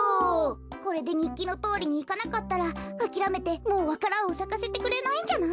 これでにっきのとおりにいかなかったらあきらめてもうわか蘭をさかせてくれないんじゃない？